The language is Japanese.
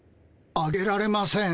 あげられません。